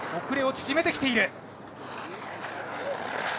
遅れを縮めてきている。